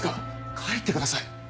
帰ってください。